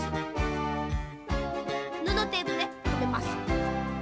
ぬのテープでとめます。